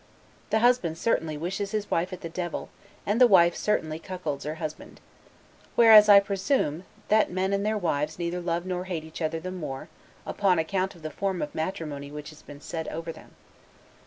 The husband certainly wishes his wife at the devil, and the wife certainly cuckolds her husband. Whereas, I presume, that men and their wives neither love nor hate each other the more, upon account of the form of matrimony which has been said over them.